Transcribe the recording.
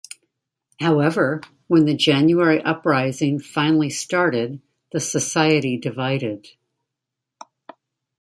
However, when the January Uprising finally started, the society divided.